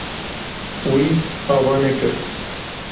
Wî ava nekir.